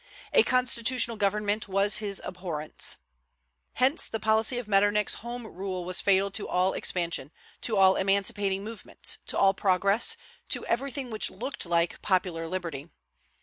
A constitutional government was his abhorrence. Hence, the policy of Metternich's home rule was fatal to all expansion, to all emancipating movements, to all progress, to everything which looked like popular liberty.